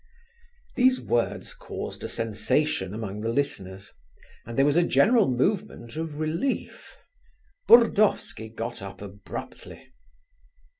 These words caused a sensation among the listeners, and there was a general movement of relief. Burdovsky got up abruptly.